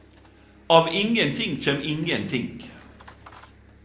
Av ingen ting kjem ingen ting